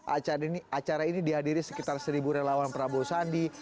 acara ini dihadiri sekitar seribu relawan prabowo sandi